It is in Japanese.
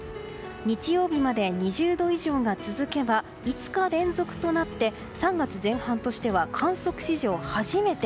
日曜日まで２０度以上が続けば５日連続となって３月前半としては観測史上初めて。